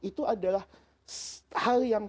itu adalah hal yang